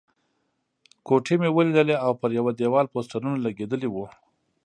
کوټې مې ولیدلې او پر یوه دېوال پوسټرونه لګېدلي وو.